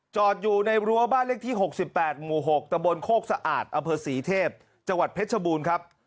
จอดอยู่ในรั้วบ้านเลขที่๖๘หมู่๖ตะบนโคกสะอาดอเภอศรีเทพจังหวัดเพชรบูรณ์ครับ